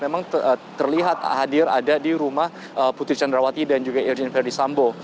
memang terlihat hadir ada di rumah putri candrawati dan juga irjen verdi sambo